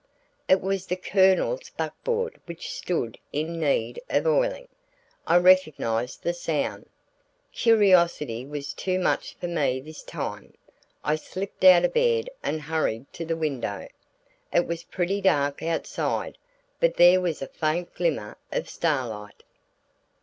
It was the Colonel's buckboard which stood in need of oiling; I recognized the sound. Curiosity was too much for me this time. I slipped out of bed and hurried to the window. It was pretty dark outside, but there was a faint glimmer of starlight.